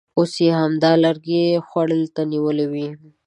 اوس یې همدا لرګی خولې ته نیولی وي.